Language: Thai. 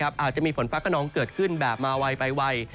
อาจจะมีฝนฟ้ากระนองเกิดขึ้นแบบมาวัยไปวัย